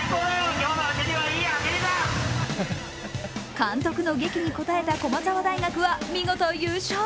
監督のげきに応えた駒澤大学は見事優勝。